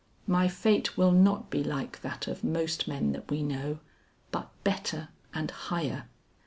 My fate will not be like that of most men that we know, but better and higher."